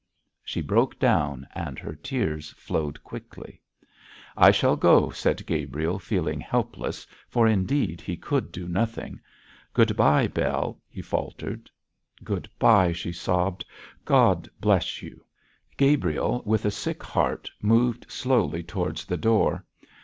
She broke down, and her tears flowed quickly. 'I shall go,' said Gabriel, feeling helpless, for indeed he could do nothing. 'Good bye, Bell!' he faltered. 'Good bye!' she sobbed. 'God bless you!' Gabriel, with a sick heart, moved slowly towards the door.